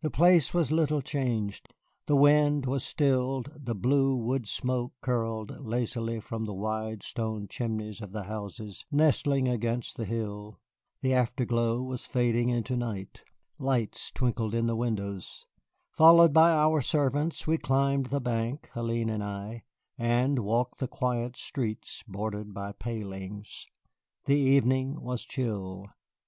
The place was little changed. The wind was stilled, the blue wood smoke curled lazily from the wide stone chimneys of the houses nestling against the hill. The afterglow was fading into night; lights twinkled in the windows. Followed by our servants we climbed the bank, Hélène and I, and walked the quiet streets bordered by palings. The evening was chill.